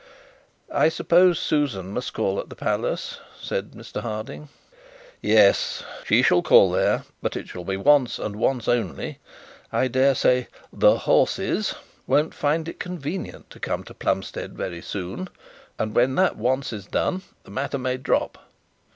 'I suppose Susan must call at the palace,' said Mr Harding. 'Yes, she shall call there; but it shall be once and once only. I dare say "the horses" won't find it convenient to come to Plumstead very soon, and when that once is done the matter may drop.'